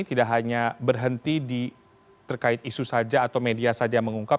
tidak hanya berhenti di terkait isu saja atau media saja yang mengungkap